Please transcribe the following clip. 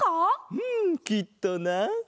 うんきっとな。